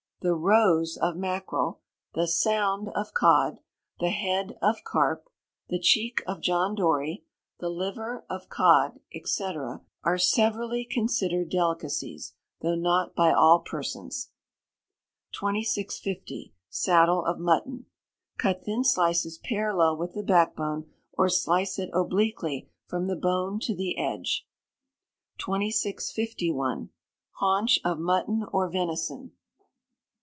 The roes of mackerel, the sound of cod, the head of carp, the cheek of John Dory, the liver of cod, &c., are severally considered delicacies, though not by all persons. 2650. Saddle of Mutton. Cut thin slices parallel with the back bone; or slice it obliquely from the bone to the edge. 2651. Haunch of Mutton or Venison.